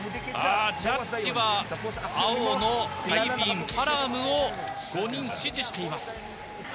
ジャッジは青のフィリピンパアラムを５人支持しています。